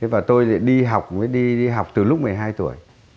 và tôi đi học mới đi học từ lúc một mươi hai tuổi